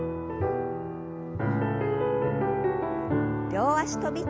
両脚跳び。